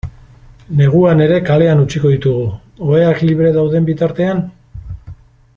Neguan ere kalean utziko ditugu, oheak libre dauden bitartean?